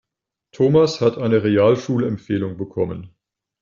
Thomas hat eine Realschulempfehlung bekommen.